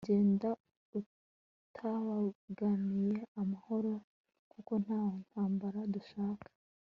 Genda utabangamiye amahoro kuko nta ntambara dushaka